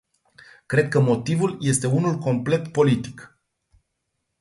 Cred că motivul este unul complet politic.